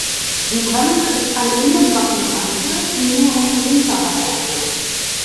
Die Bremse ist eine Innenbackenbremse, die nur auf die Hinterräder wirkt.